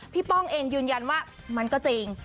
ป้องเองยืนยันว่ามันก็จริง